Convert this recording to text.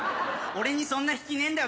俺にそんな引きねえんだよ